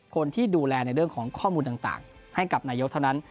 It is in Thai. คนที่ดูแลในเรื่องของข้อมูลต่างให้กับนายกเท่านั้น